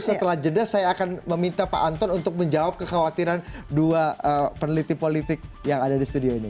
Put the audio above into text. setelah jeda saya akan meminta pak anton untuk menjawab kekhawatiran dua peneliti politik yang ada di studio ini